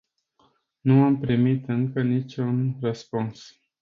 Nu am primit încă niciun răspuns.